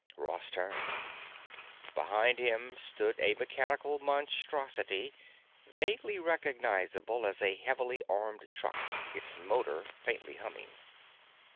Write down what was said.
Ross turned. Behind him stood a mechanical monstrosity vaguely recognizable as a heavily armed truck, its motor faintly humming.